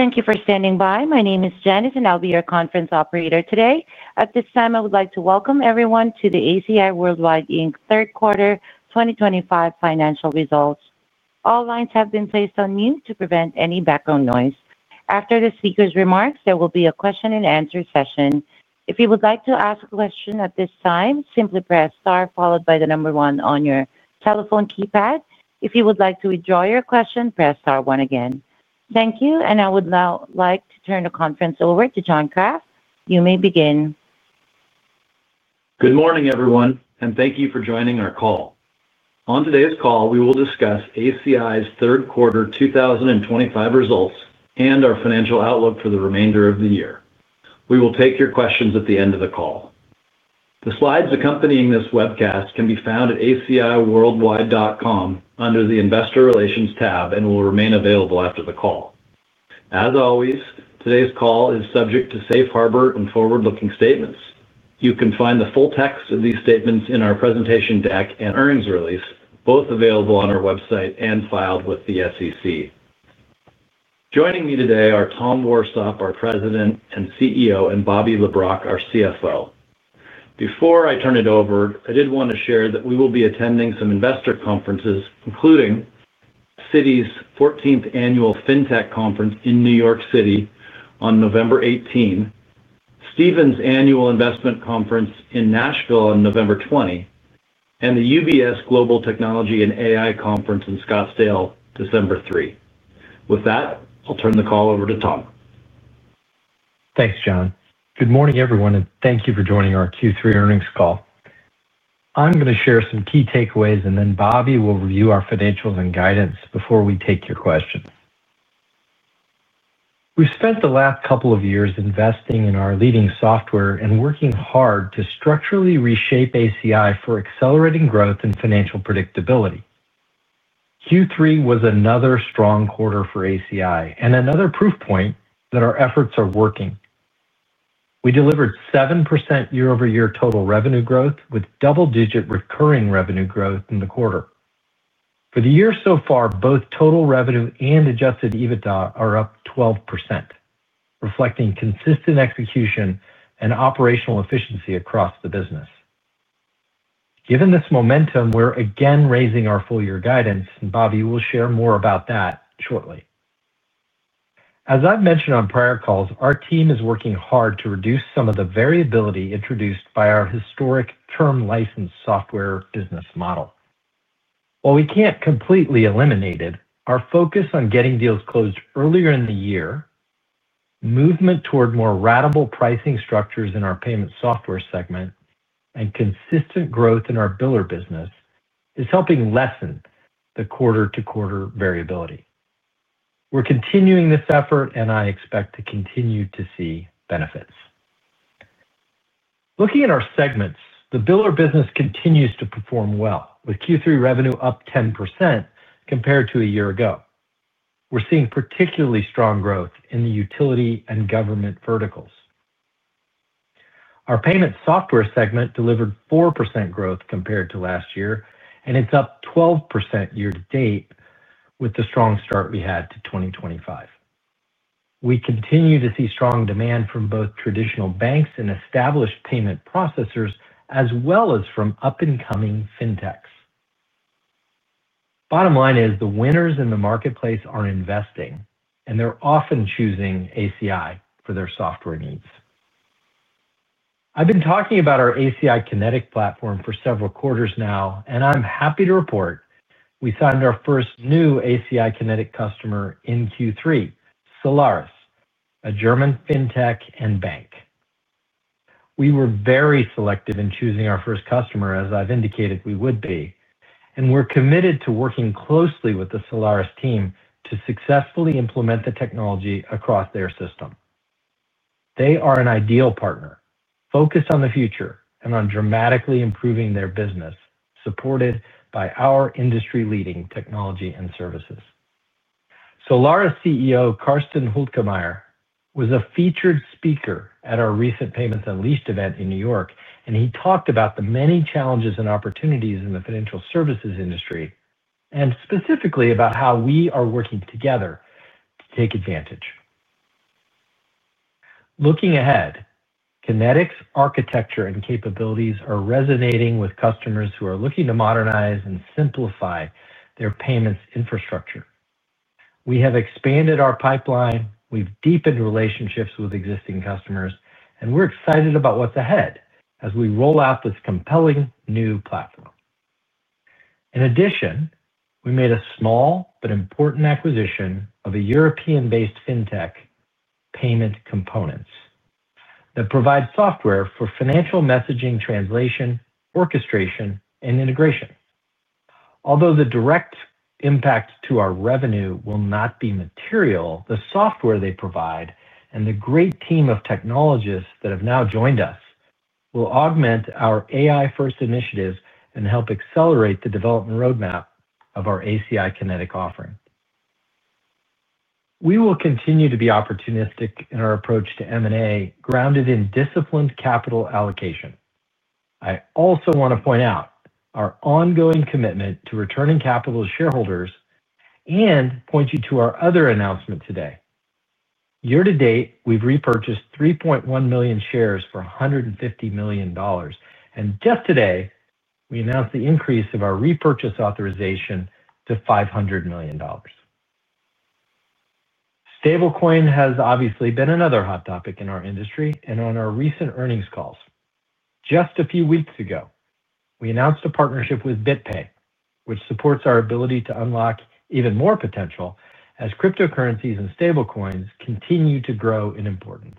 Thank you for standing by. My name is Janice, and I'll be your conference operator today. At this time, I would like to welcome everyone to the ACI Worldwide Third Quarter 2025 financial results. All lines have been placed on mute to prevent any background noise. After the speaker's remarks, there will be a question-and-answer session. If you would like to ask a question at this time, simply press * followed by the number one on your telephone keypad. If you would like to withdraw your question, press *1 again. Thank you, and I would now like to turn the conference over to John Kraft. You may begin. Good morning, everyone, and thank you for joining our call. On today's call, we will discuss ACI's third quarter 2025 results and our financial outlook for the remainder of the year. We will take your questions at the end of the call. The slides accompanying this webcast can be found at aciworldwide.com under the Investor Relations tab and will remain available after the call. As always, today's call is subject to safe harbor and forward-looking statements. You can find the full text of these statements in our presentation deck and earnings release, both available on our website and filed with the SEC. Joining me today are Tom Warsop, our President and CEO, and Bobby LeBrock, our CFO. Before I turn it over, I did want to share that we will be attending some investor conferences, including Citi's 14th Annual FinTech Conference in New York City on November 18. Stephens Annual Investment Conference in Nashville on November 20, and the UBS Global Technology and AI Conference in Scottsdale, December 3. With that, I'll turn the call over to Tom. Thanks, John. Good morning, everyone, and thank you for joining our Q3 earnings call. I'm going to share some key takeaways, and then Bobby will review our financials and guidance before we take your questions. We've spent the last couple of years investing in our leading software and working hard to structurally reshape ACI Worldwide for accelerating growth and financial predictability. Q3 was another strong quarter for ACI Worldwide and another proof point that our efforts are working. We delivered 7% year-over-year total revenue growth with double-digit recurring revenue growth in the quarter. For the year so far, both total revenue and Adjusted EBITDA are up 12%, reflecting consistent execution and operational efficiency across the business. Given this momentum, we're again raising our full-year guidance, and Bobby will share more about that shortly. As I've mentioned on prior calls, our team is working hard to reduce some of the variability introduced by our historic term license software business model. While we can't completely eliminate it, our focus on getting deals closed earlier in the year, movement toward more ratable pricing structures in our payment software segment, and consistent growth in our biller business is helping lessen the quarter-to-quarter variability. We're continuing this effort, and I expect to continue to see benefits. Looking at our segments, the biller business continues to perform well, with Q3 revenue up 10% compared to a year ago. We're seeing particularly strong growth in the utility and government verticals. Our payment software segment delivered 4% growth compared to last year, and it's up 12% year-to-date with the strong start we had to 2025. We continue to see strong demand from both traditional banks and established payment processors, as well as from up-and-coming fintechs. Bottom line is the winners in the marketplace are investing, and they're often choosing ACI for their software needs. I've been talking about our ACI Kinetic platform for several quarters now, and I'm happy to report we signed our first new ACI Kinetic customer in Q3, Solaris, a German fintech and bank. We were very selective in choosing our first customer, as I've indicated we would be, and we're committed to working closely with the Solaris team to successfully implement the technology across their system. They are an ideal partner, focused on the future and on dramatically improving their business, supported by our industry-leading technology and services. Solaris CEO, Karsten Hultemeyer, was a featured speaker at our recent Payments Unleashed event in New York, and he talked about the many challenges and opportunities in the financial services industry, and specifically about how we are working together to take advantage. Looking ahead, Kinetic's architecture and capabilities are resonating with customers who are looking to modernize and simplify their payments infrastructure. We have expanded our pipeline, we have deepened relationships with existing customers, and we are excited about what is ahead as we roll out this compelling new platform. In addition, we made a small but important acquisition of a European-based fintech payment component. That provides software for financial messaging, translation, orchestration, and integration. Although the direct impact to our revenue will not be material, the software they provide and the great team of technologists that have now joined us will augment our AI-first initiatives and help accelerate the development roadmap of our ACI Kinetic offering. We will continue to be opportunistic in our approach to M&A grounded in disciplined capital allocation. I also want to point out our ongoing commitment to returning capital to shareholders and point you to our other announcement today. Year-to-date, we've repurchased 3.1 million shares for $150 million, and just today, we announced the increase of our repurchase authorization to $500 million. Stablecoin has obviously been another hot topic in our industry and on our recent earnings calls. Just a few weeks ago, we announced a partnership with BitPay, which supports our ability to unlock even more potential as cryptocurrencies and stablecoins continue to grow in importance.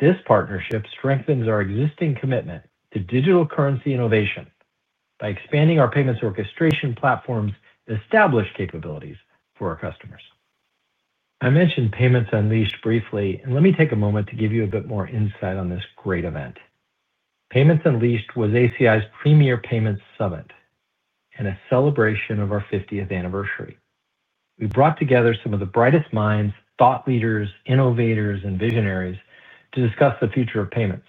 This partnership strengthens our existing commitment to digital currency innovation by expanding our payments orchestration platform's established capabilities for our customers. I mentioned Payments Unleashed briefly, and let me take a moment to give you a bit more insight on this great event. Payments Unleashed was ACI's premier payments summit and a celebration of our 50th anniversary. We brought together some of the brightest minds, thought leaders, innovators, and visionaries to discuss the future of payments.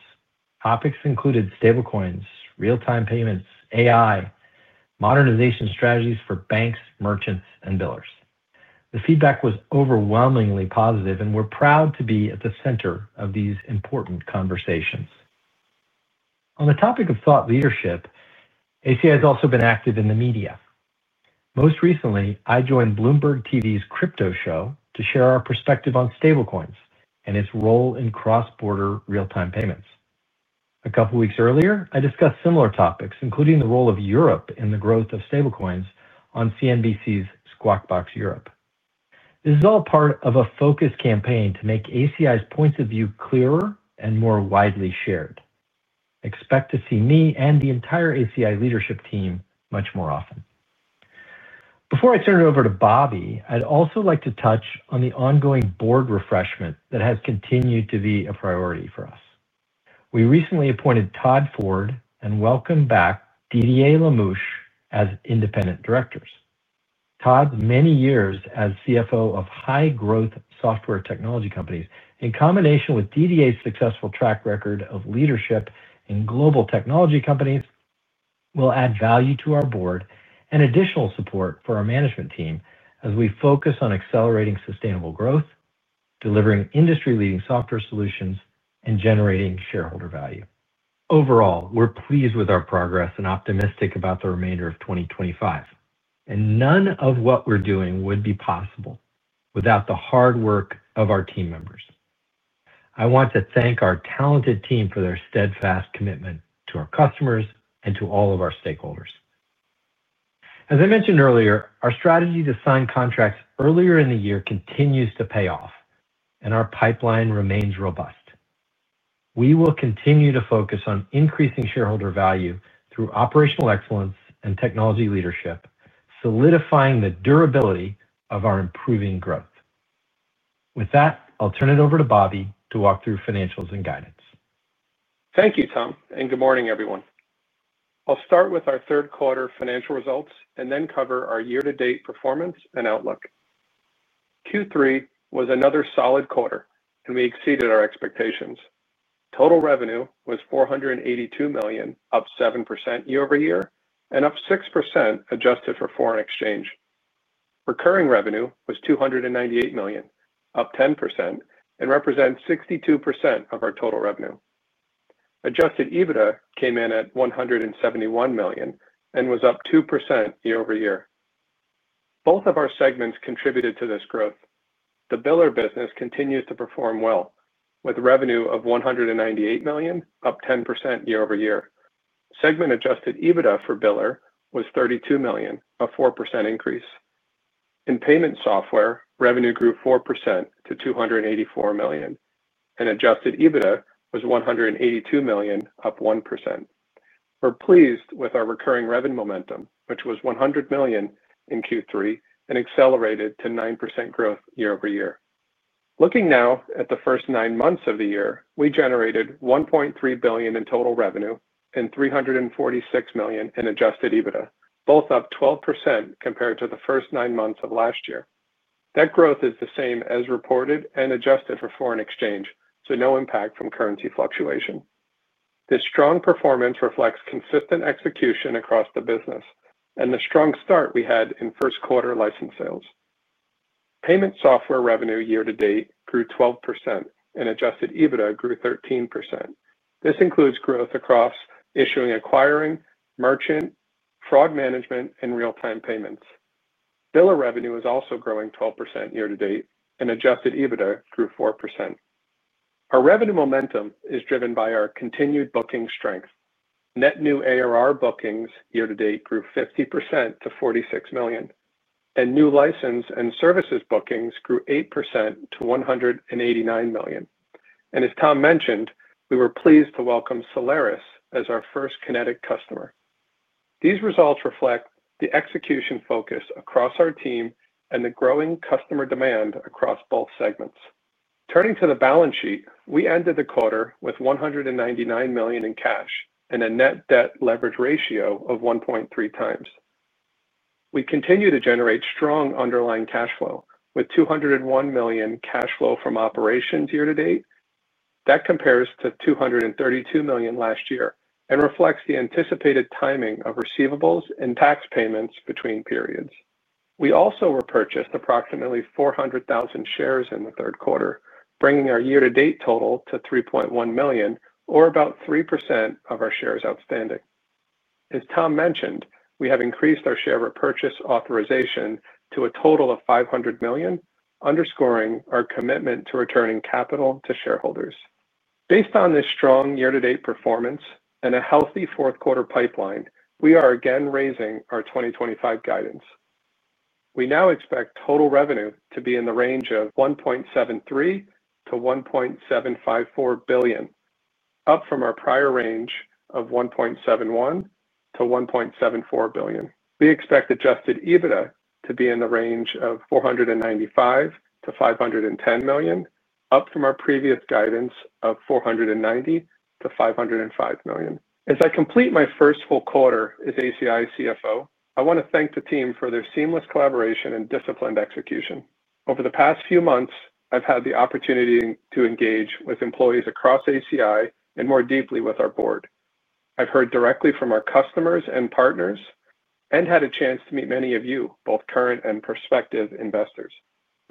Topics included stablecoins, real-time payments, AI, modernization strategies for banks, merchants, and billers. The feedback was overwhelmingly positive, and we're proud to be at the center of these important conversations. On the topic of thought leadership, ACI has also been active in the media. Most recently, I joined Bloomberg TV's Crypto Show to share our perspective on stablecoins and its role in cross-border real-time payments. A couple of weeks earlier, I discussed similar topics, including the role of Europe in the growth of stablecoins on CNBC's Squawk Box Europe. This is all part of a focus campaign to make ACI's points of view clearer and more widely shared. Expect to see me and the entire ACI leadership team much more often. Before I turn it over to Bobby, I'd also like to touch on the ongoing board refreshment that has continued to be a priority for us. We recently appointed Todd Ford and welcomed back Dita Lemouche as independent directors. Todd's many years as CFO of high-growth software technology companies, in combination with Dita's successful track record of leadership in global technology companies, will add value to our board and additional support for our management team as we focus on accelerating sustainable growth, delivering industry-leading software solutions, and generating shareholder value. Overall, we're pleased with our progress and optimistic about the remainder of 2025. None of what we're doing would be possible without the hard work of our team members. I want to thank our talented team for their steadfast commitment to our customers and to all of our stakeholders. As I mentioned earlier, our strategy to sign contracts earlier in the year continues to pay off, and our pipeline remains robust. We will continue to focus on increasing shareholder value through operational excellence and technology leadership, solidifying the durability of our improving growth. With that, I'll turn it over to Bobby to walk through financials and guidance. Thank you, Tom, and good morning, everyone. I'll start with our third quarter financial results and then cover our year-to-date performance and outlook. Q3 was another solid quarter, and we exceeded our expectations. Total revenue was $482 million, up 7% year-over-year, and up 6% adjusted for foreign exchange. Recurring revenue was $298 million, up 10%, and represents 62% of our total revenue. Adjusted EBITDA came in at $171 million and was up 2% year-over-year. Both of our segments contributed to this growth. The biller business continues to perform well, with revenue of $198 million, up 10% year-over-year. Segment-Adjusted EBITDA for biller was $32 million, a 4% increase. In payment software, revenue grew 4% to $284 million, and Adjusted EBITDA was $182 million, up 1%. We're pleased with our recurring revenue momentum, which was $100 million in Q3 and accelerated to 9% growth year-over-year. Looking now at the first nine months of the year, we generated $1.3 billion in total revenue and $346 million in Adjusted EBITDA, both up 12% compared to the first nine months of last year. That growth is the same as reported and adjusted for foreign exchange, so no impact from currency fluctuation. This strong performance reflects consistent execution across the business and the strong start we had in first-quarter license sales. Payment software revenue year-to-date grew 12%, and Adjusted EBITDA grew 13%. This includes growth across issuing, acquiring, merchant, fraud management, and real-time payments. Biller revenue is also growing 12% year-to-date, and Adjusted EBITDA grew 4%. Our revenue momentum is driven by our continued booking strength. Net new ARR bookings year-to-date grew 50% to $46 million, and new license and services bookings grew 8% to $189 million. As Tom mentioned, we were pleased to welcome Solaris as our first Kinetic customer. These results reflect the execution focus across our team and the growing customer demand across both segments. Turning to the balance sheet, we ended the quarter with $199 million in cash and a net debt leverage ratio of 1.3 times. We continue to generate strong underlying cash flow with $201 million cash flow from operations year-to-date. That compares to $232 million last year and reflects the anticipated timing of receivables and tax payments between periods. We also repurchased approximately 400,000 shares in the third quarter, bringing our year-to-date total to 3.1 million, or about 3% of our shares outstanding. As Tom mentioned, we have increased our share repurchase authorization to a total of $500 million, underscoring our commitment to returning capital to shareholders. Based on this strong year-to-date performance and a healthy fourth-quarter pipeline, we are again raising our 2025 guidance. We now expect total revenue to be in the range of $1.73 billion-$1.754 billion, up from our prior range of $1.71 billion-$1.74 billion. We expect Adjusted EBITDA to be in the range of $495 million-$510 million, up from our previous guidance of $490 million-$505 million. As I complete my first full quarter as ACI CFO, I want to thank the team for their seamless collaboration and disciplined execution. Over the past few months, I've had the opportunity to engage with employees across ACI and more deeply with our board. I've heard directly from our customers and partners and had a chance to meet many of you, both current and prospective investors.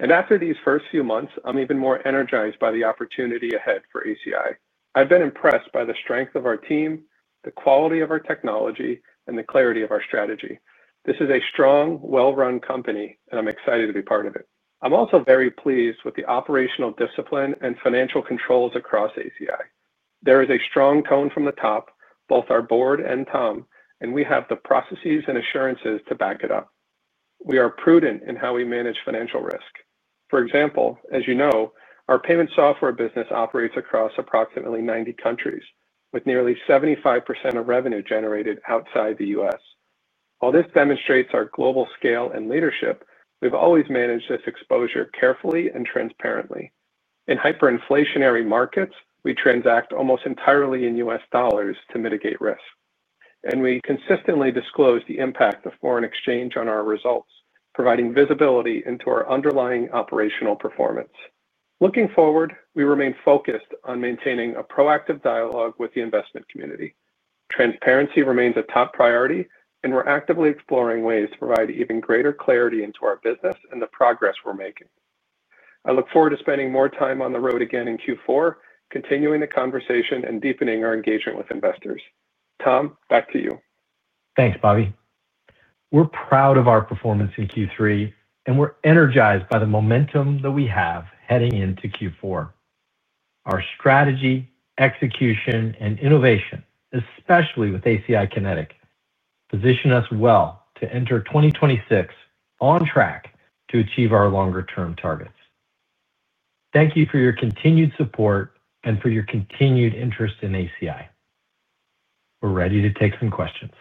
After these first few months, I'm even more energized by the opportunity ahead for ACI. I've been impressed by the strength of our team, the quality of our technology, and the clarity of our strategy. This is a strong, well-run company, and I'm excited to be part of it. I'm also very pleased with the operational discipline and financial controls across ACI. There is a strong tone from the top, both our board and Tom, and we have the processes and assurances to back it up. We are prudent in how we manage financial risk. For example, as you know, our payment software business operates across approximately 90 countries, with nearly 75% of revenue generated outside the U.S. While this demonstrates our global scale and leadership, we've always managed this exposure carefully and transparently. In hyperinflationary markets, we transact almost entirely in US dollars to mitigate risk, and we consistently disclose the impact of foreign exchange on our results, providing visibility into our underlying operational performance. Looking forward, we remain focused on maintaining a proactive dialogue with the investment community. Transparency remains a top priority, and we're actively exploring ways to provide even greater clarity into our business and the progress we're making. I look forward to spending more time on the road again in Q4, continuing the conversation and deepening our engagement with investors. Tom, back to you. Thanks, Bobby. We're proud of our performance in Q3, and we're energized by the momentum that we have heading into Q4. Our strategy, execution, and innovation, especially with ACI Kinetic, position us well to enter 2026 on track to achieve our longer-term targets. Thank you for your continued support and for your continued interest in ACI. We're ready to take some questions.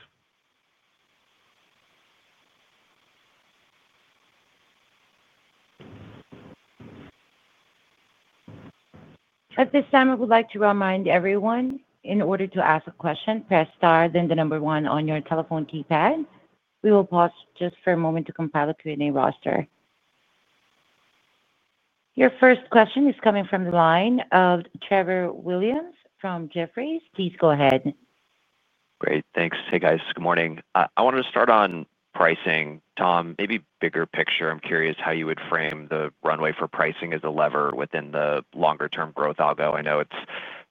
At this time, I would like to remind everyone, in order to ask a question, press *, then the number 1 on your telephone keypad. We will pause just for a moment to compile a Q&A roster. Your first question is coming from the line of Trevor Williams from Jefferies. Please go ahead. Great. Thanks. Hey, guys. Good morning. I wanted to start on pricing. Tom, maybe bigger picture, I'm curious how you would frame the runway for pricing as a lever within the longer-term growth algo. I know it's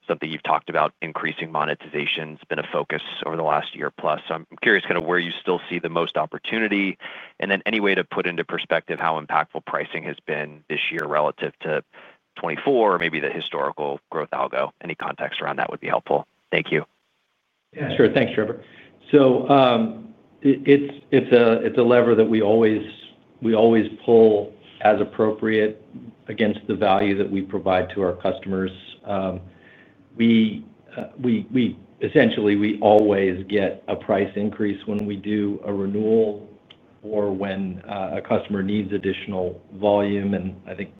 something you've talked about. Increasing monetization has been a focus over the last year plus. I'm curious kind of where you still see the most opportunity and then any way to put into perspective how impactful pricing has been this year relative to 2024 or maybe the historical growth algo. Any context around that would be helpful. Thank you. Yeah, sure. Thanks, Trevor. It's a lever that we always pull as appropriate against the value that we provide to our customers. Essentially, we always get a price increase when we do a renewal or when a customer needs additional volume. I think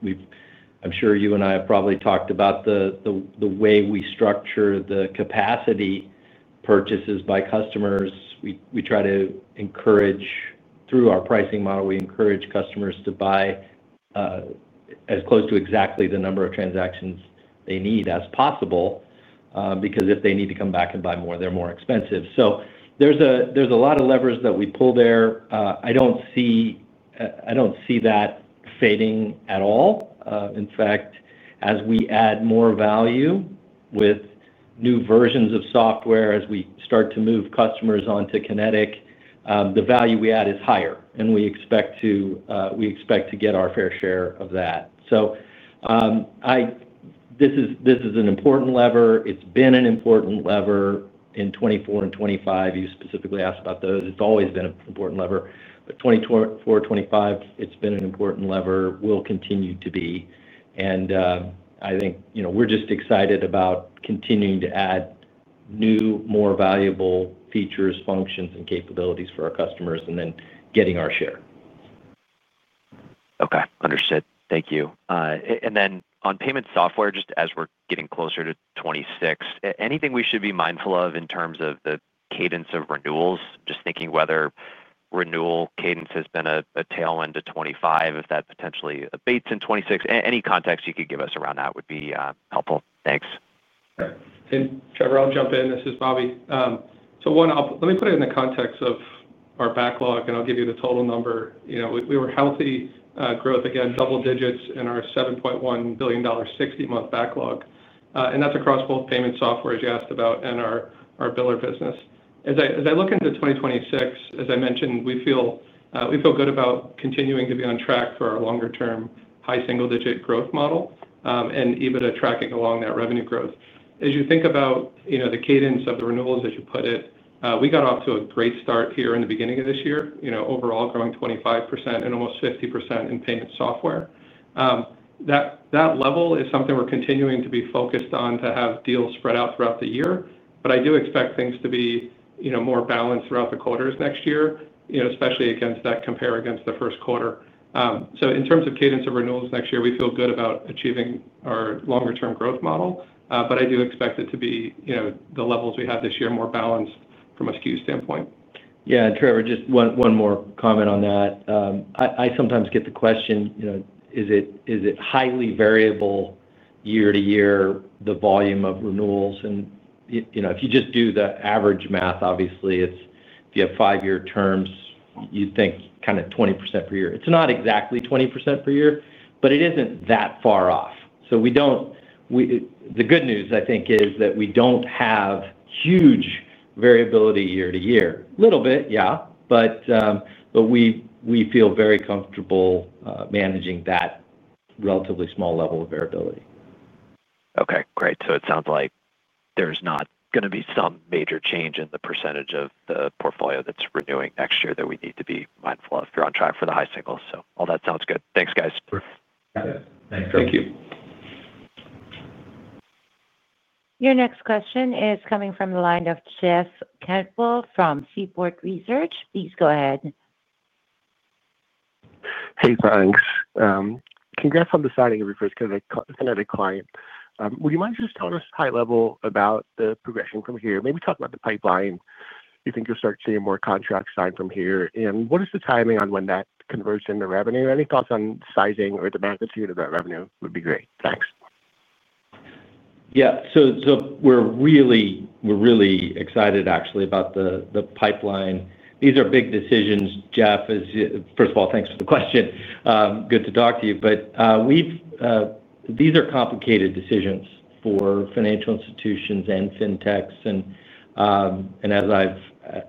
I'm sure you and I have probably talked about the way we structure the capacity purchases by customers. We try to encourage, through our pricing model, we encourage customers to buy as close to exactly the number of transactions they need as possible. Because if they need to come back and buy more, they're more expensive. There's a lot of levers that we pull there. I don't see that fading at all. In fact, as we add more value with new versions of software, as we start to move customers onto Kinetic, the value we add is higher, and we expect to get our fair share of that. This is an important lever. It's been an important lever in 2024 and 2025. You specifically asked about those. It's always been an important lever. 2024, 2025, it's been an important lever, will continue to be. I think we're just excited about continuing to add new, more valuable features, functions, and capabilities for our customers and then getting our share. Okay. Understood. Thank you. On payment software, just as we're getting closer to 2026, anything we should be mindful of in terms of the cadence of renewals? Just thinking whether renewal cadence has been a tailwind to 2025, if that potentially abates in 2026. Any context you could give us around that would be helpful. Thanks. Trevor, I'll jump in. This is Bobby. Let me put it in the context of our backlog, and I'll give you the total number. We were healthy growth, again, double digits in our $7.1 billion, 60-month backlog. That's across both payment software, as you asked about, and our biller business. As I look into 2026, as I mentioned, we feel good about continuing to be on track for our longer-term, high single-digit growth model and EBITDA tracking along that revenue growth. As you think about the cadence of the renewals, as you put it, we got off to a great start here in the beginning of this year, overall growing 25% and almost 50% in payment software. That level is something we're continuing to be focused on to have deals spread out throughout the year. I do expect things to be more balanced throughout the quarters next year, especially against that compare against the first quarter. In terms of cadence of renewals next year, we feel good about achieving our longer-term growth model. I do expect it to be the levels we have this year, more balanced from a SKU standpoint. Yeah, Trevor, just one more comment on that. I sometimes get the question, is it highly variable year to year, the volume of renewals? If you just do the average math, obviously, if you have five-year terms, you'd think kind of 20% per year. It's not exactly 20% per year, but it isn't that far off. The good news, I think, is that we don't have huge variability year to year. A little bit, yeah, but we feel very comfortable managing that. Relatively small level of variability. Okay. Great. It sounds like there's not going to be some major change in the percentage of the portfolio that's renewing next year that we need to be mindful of if you're on track for the high singles. All that sounds good. Thanks, guys. Got it. Thanks, Trevor. Thank you. Your next question is coming from the line of Jeff Cantwell from Seaport Research. Please go ahead. Hey, thanks. Congrats on the signing of your first Kinetic client. Would you mind just telling us high level about the progression from here? Maybe talk about the pipeline. You think you'll start seeing more contracts signed from here? What is the timing on when that converts into revenue? Any thoughts on sizing or the magnitude of that revenue would be great. Thanks. Yeah. So. We're really excited, actually, about the pipeline. These are big decisions, Jeff. First of all, thanks for the question. Good to talk to you. These are complicated decisions for financial institutions and fintechs. As I've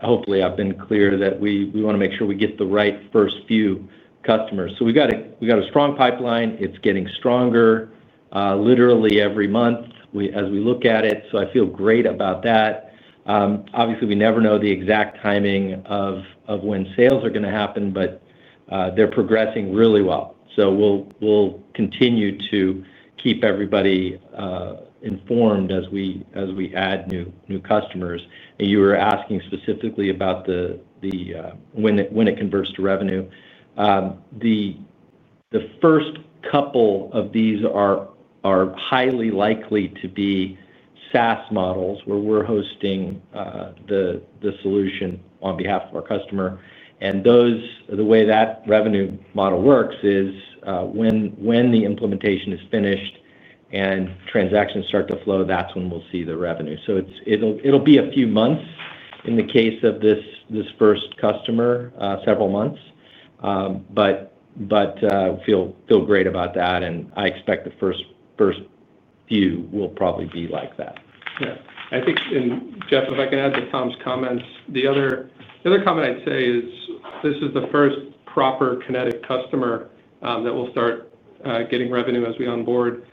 hopefully, I've been clear that we want to make sure we get the right first few customers. So we've got a strong pipeline. It's getting stronger literally every month as we look at it. I feel great about that. Obviously, we never know the exact timing of when sales are going to happen, but they're progressing really well. We'll continue to keep everybody informed as we add new customers. You were asking specifically about the when it converts to revenue. The first couple of these are highly likely to be SaaS models where we're hosting the solution on behalf of our customer. The way that revenue model works is, when the implementation is finished and transactions start to flow, that's when we'll see the revenue. It'll be a few months in the case of this first customer, several months. I feel great about that. I expect the first few will probably be like that. Yeah. Jeff, if I can add to Tom's comments, the other comment I'd say is this is the first proper Kinetic customer that will start getting revenue as we onboard.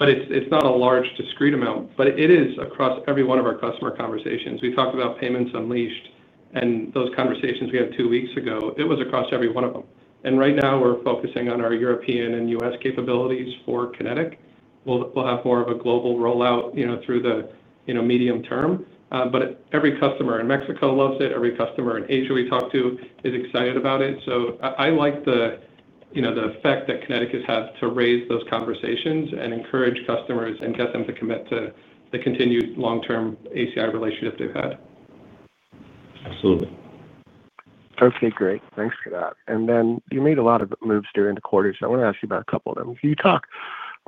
It is not a large discrete amount. It is across every one of our customer conversations. We talked about payments unleashed and those conversations we had two weeks ago. It was across every one of them. Right now, we're focusing on our European and U.S. capabilities for Kinetic. We'll have more of a global rollout through the medium term. Every customer in Mexico loves it. Every customer in Asia we talk to is excited about it. I like the effect that Kinetic has had to raise those conversations and encourage customers and get them to commit to the continued long-term ACI relationship they've had. Absolutely. Perfect. Great. Thanks for that. You made a lot of moves during the quarter. I want to ask you about a couple of them. Can you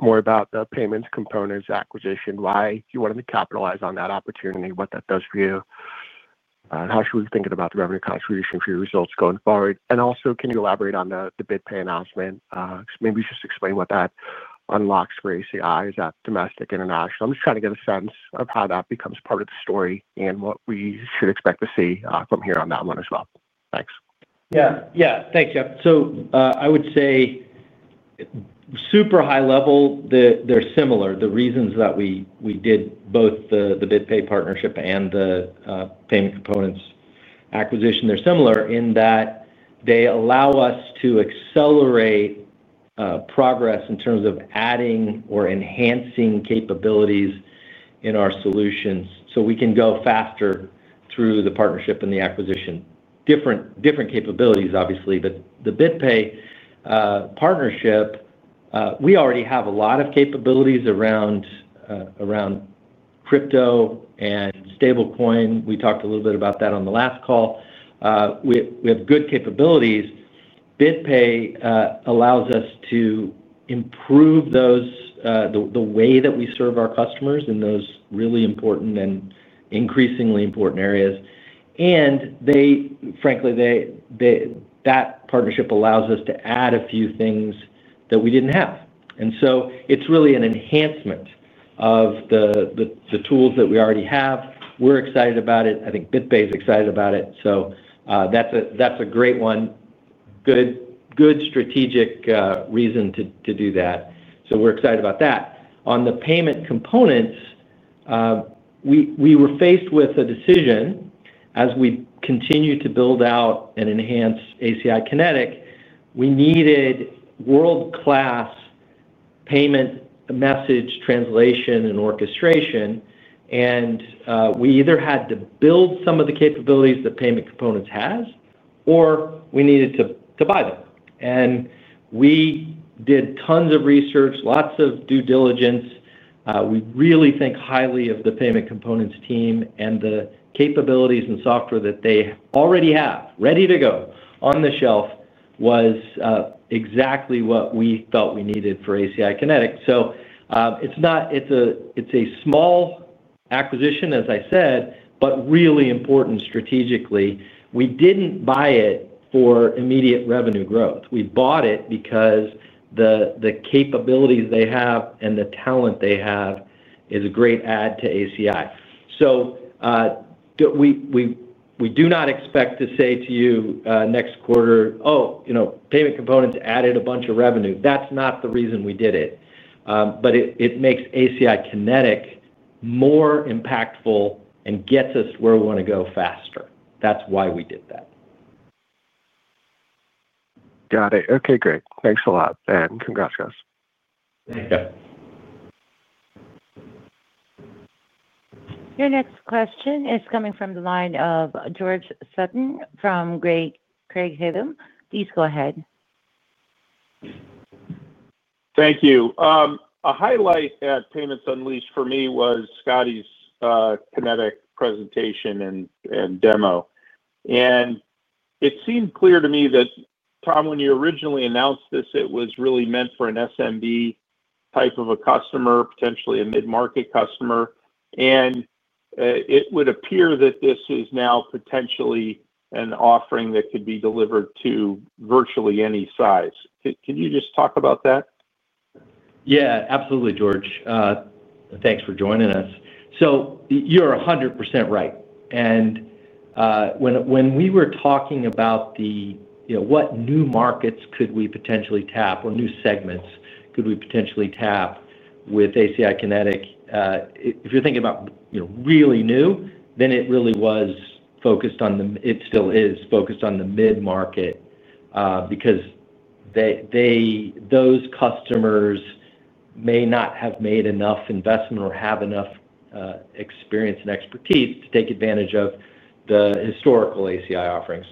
talk more about the payments components, acquisition, why you wanted to capitalize on that opportunity, what that does for you? How should we be thinking about the revenue contribution for your results going forward? Also, can you elaborate on the BitPay announcement? Maybe just explain what that unlocks for ACI, is that domestic, international? I'm just trying to get a sense of how that becomes part of the story and what we should expect to see from here on that one as well. Thanks. Yeah. Yeah. Thanks, Jeff. I would say, super high level, they're similar. The reasons that we did both the BitPay partnership and the Payment Components acquisition, they're similar in that they allow us to accelerate progress in terms of adding or enhancing capabilities in our solutions so we can go faster through the partnership and the acquisition. Different capabilities, obviously. The BitPay partnership, we already have a lot of capabilities around crypto and stablecoin. We talked a little bit about that on the last call. We have good capabilities. BitPay allows us to improve the way that we serve our customers in those really important and increasingly important areas. Frankly, that partnership allows us to add a few things that we didn't have. It's really an enhancement of the tools that we already have. We're excited about it. I think BitPay is excited about it. That is a great one. Good strategic reason to do that. We are excited about that. On the payment components, we were faced with a decision. As we continue to build out and enhance ACI Kinetic, we needed world-class payment message translation and orchestration. We either had to build some of the capabilities the payment components has or we needed to buy them. We did tons of research, lots of due diligence. We really think highly of the payment components team and the capabilities and software that they already have ready to go on the shelf was exactly what we felt we needed for ACI Kinetic. It is a small acquisition, as I said, but really important strategically. We did not buy it for immediate revenue growth. We bought it because the capabilities they have and the talent they have is a great add to ACI. We do not expect to say to you next quarter, "Oh, payment components added a bunch of revenue." That's not the reason we did it. It makes ACI Kinetic more impactful and gets us where we want to go faster. That's why we did that. Got it. Okay. Great. Thanks a lot. And congrats, guys. Thank you. Your next question is coming from the line of George Sutton from Craig-Hallum. Please go ahead. Thank you. A highlight at Payments Unleashed for me was Scotty's Kinetic presentation and demo. It seemed clear to me that, Tom, when you originally announced this, it was really meant for an SMB type of a customer, potentially a mid-market customer. It would appear that this is now potentially an offering that could be delivered to virtually any size. Can you just talk about that? Yeah. Absolutely, George. Thanks for joining us. You're 100% right. When we were talking about what new markets could we potentially tap or new segments could we potentially tap with ACI Kinetic, if you're thinking about really new, then it really was focused on the—it still is focused on the mid-market. Because those customers may not have made enough investment or have enough experience and expertise to take advantage of the historical ACI offerings.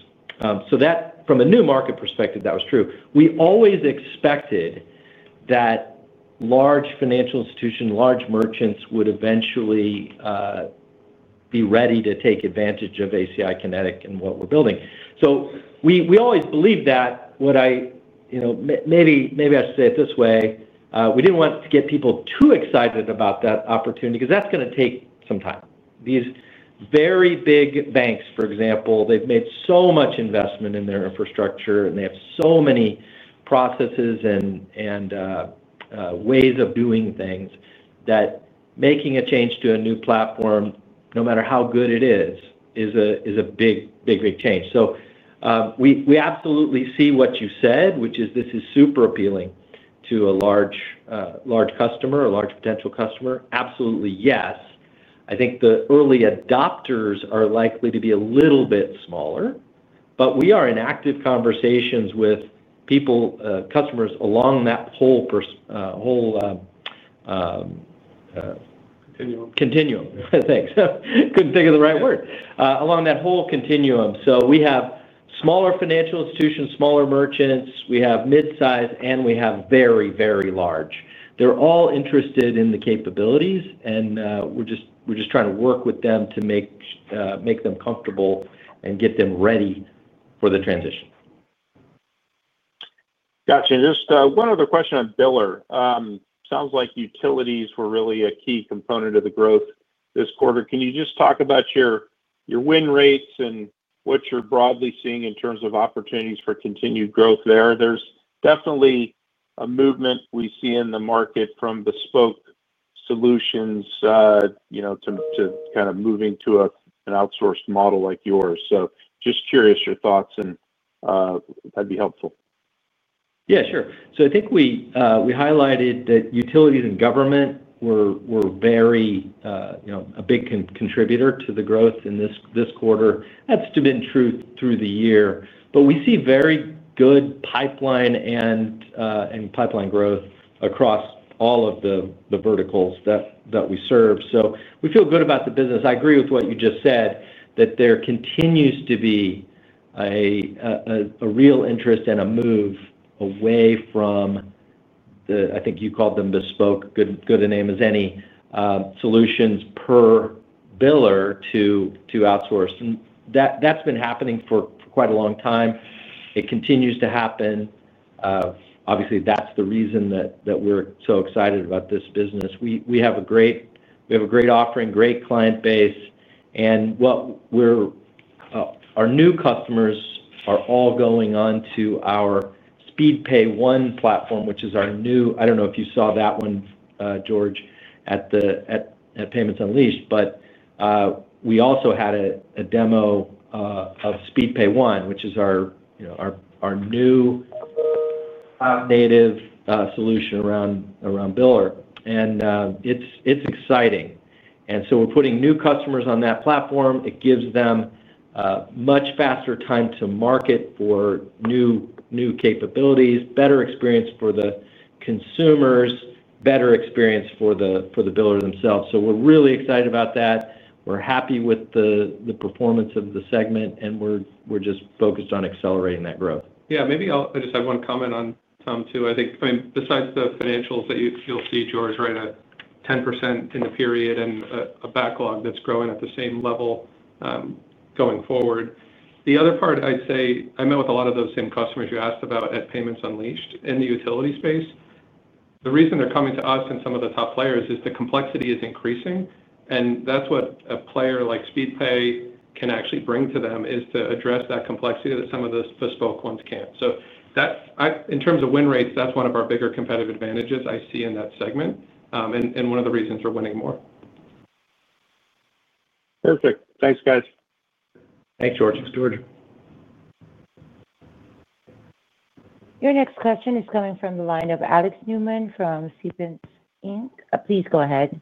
From a new market perspective, that was true. We always expected that large financial institutions, large merchants would eventually be ready to take advantage of ACI Kinetic and what we're building. We always believed that. Maybe I should say it this way. We didn't want to get people too excited about that opportunity because that's going to take some time. These very big banks, for example, they've made so much investment in their infrastructure, and they have so many processes and ways of doing things that making a change to a new platform, no matter how good it is, is a big, big, big change. We absolutely see what you said, which is this is super appealing to a large customer, a large potential customer. Absolutely, yes. I think the early adopters are likely to be a little bit smaller. We are in active conversations with customers along that whole continuum. Continuum. Thanks. Couldn't think of the right word. Along that whole continuum. We have smaller financial institutions, smaller merchants. We have mid-size, and we have very, very large. They're all interested in the capabilities, and we're just trying to work with them to make them comfortable and get them ready for the transition. Gotcha. Just one other question on biller. Sounds like utilities were really a key component of the growth this quarter. Can you just talk about your win rates and what you're broadly seeing in terms of opportunities for continued growth there? There's definitely a movement we see in the market from bespoke solutions to kind of moving to an outsourced model like yours. Just curious your thoughts, and that'd be helpful. Yeah, sure. I think we highlighted that utilities and government were a big contributor to the growth in this quarter. That's been true through the year. We see very good pipeline and pipeline growth across all of the verticals that we serve. We feel good about the business. I agree with what you just said, that there continues to be a real interest and a move away from, I think you called them bespoke, good a name as any, solutions per biller to outsource. That's been happening for quite a long time. It continues to happen. Obviously, that's the reason that we're so excited about this business. We have a great offering, great client base. Our new customers are all going on to our SpeedPay One platform, which is our new—I don't know if you saw that one, George, at Payments Unleashed. We also had a demo of SpeedPay One, which is our new native solution around biller. It is exciting. We are putting new customers on that platform. It gives them much faster time to market for new capabilities, better experience for the consumers, better experience for the biller themselves. We are really excited about that. We are happy with the performance of the segment, and we are just focused on accelerating that growth. Yeah. Maybe I'll just add one comment on Tom, too. I think, besides the financials that you'll see, George, right, a 10% in the period and a backlog that's growing at the same level. Going forward. The other part, I'd say, I met with a lot of those same customers you asked about at Payments Unleashed in the utility space. The reason they're coming to us and some of the top players is the complexity is increasing. That's what a player like SpeedPay can actually bring to them is to address that complexity that some of those bespoke ones can't. In terms of win rates, that's one of our bigger competitive advantages I see in that segment and one of the reasons we're winning more. Perfect. Thanks, guys. Thanks, George. Thanks, George. Your next question is coming from the line of Alex Neumann from Stephens. Please go ahead.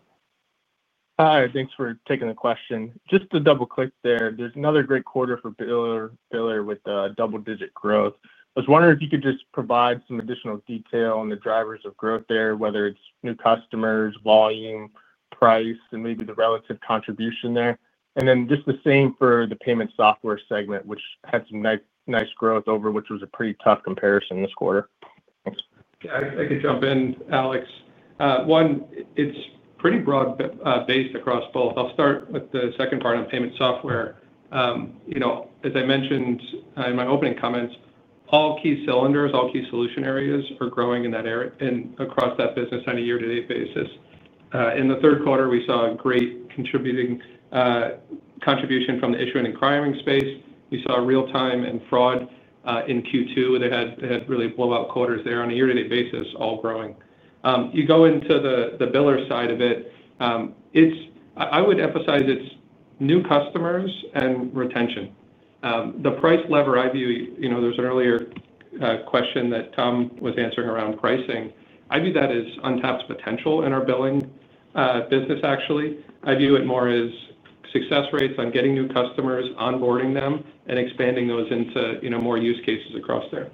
Hi. Thanks for taking the question. Just to double-click there, there's another great quarter for biller with double-digit growth. I was wondering if you could just provide some additional detail on the drivers of growth there, whether it's new customers, volume, price, and maybe the relative contribution there. Just the same for the payment software segment, which had some nice growth over, which was a pretty tough comparison this quarter. Yeah. I could jump in, Alex. One, it's pretty broad-based across both. I'll start with the second part on payment software. As I mentioned in my opening comments, all key cylinders, all key solution areas are growing in that area and across that business on a year-to-date basis. In the third quarter, we saw a great contribution from the issuing and acquiring space. We saw real-time and fraud in Q2. They had really blow-out quarters there on a year-to-date basis, all growing. You go into the biller side of it. I would emphasize it's new customers and retention. The price lever I view—there's an earlier question that Tom was answering around pricing—I view that as untapped potential in our billing business, actually. I view it more as success rates on getting new customers, onboarding them, and expanding those into more use cases across there.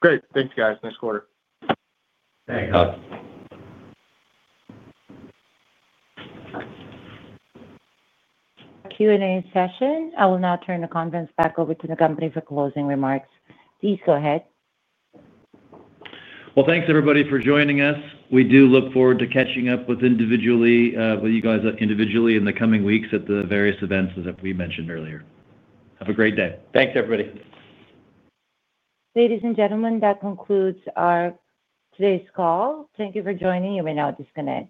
Great. Thanks, guys. Next quarter. Thanks. Q&A session. I will now turn the conference back over to the company for closing remarks. Please go ahead. Thanks, everybody, for joining us. We do look forward to catching up with you guys individually in the coming weeks at the various events that we mentioned earlier. Have a great day. Thanks, everybody. Ladies and gentlemen, that concludes today's call. Thank you for joining. You may now disconnect.